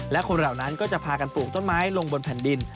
และคนเหล่านั้นก็จะพากันปลูกต้นไม้ลงบนแผ่นดิน